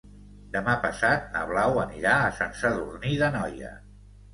Demà passat na Blau anirà a Sant Sadurní d'Anoia.